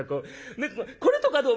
「ねえこれとかどう？